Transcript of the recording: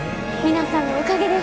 皆さんのおかげです。